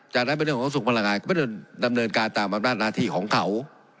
จากนั้นเป็นเรื่องของสุขพลังงานก็ไม่ได้ดำเนินการตามอำนาจหน้าที่ของเขา